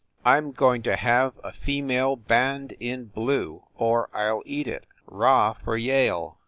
I m going to have a female band in blue, or I ll eat it! Rah for Yale!"